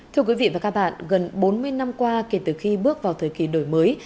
thưa quý vị và các bạn gần bốn mươi năm qua kể từ khi bước vào thời kỳ đổi mới